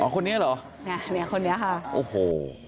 คนนี้เหรอเนี่ยคนนี้ค่ะโอ้โห